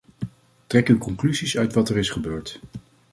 Trek uw conclusies uit wat er is gebeurd.